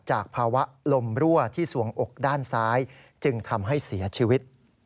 จากภาวะลมรั่วที่สวงอกด้านซ้ายจึงทำให้เสียชีวิต